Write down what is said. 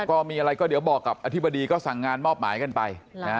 ก็มีอะไรก็เดี๋ยวบอกกับอธิบดีก็สั่งงานมอบหมายกันไป